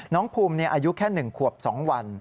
น้องภูมิอายุแค่๑ขวบ๒วัน